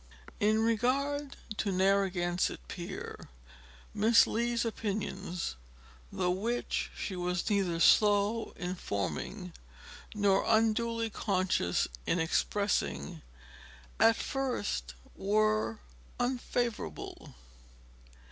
In regard to Narragansett Pier, Miss Lee's opinions, the which she was neither slow in forming nor unduly cautious in expressing, at first were unfavorable.